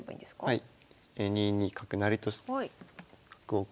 はい。